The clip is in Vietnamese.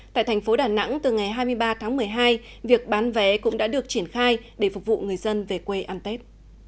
tại thành phố đà nẵng từ ngày hai mươi ba tháng một mươi hai việc bán vé cũng đã được triển khai để phục vụ người dân về quê ăn tết